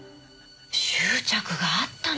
執着があったのよ